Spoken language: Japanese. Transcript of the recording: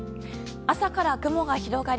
朝から雲が広がり